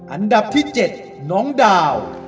อันดับที่๗น้องดาว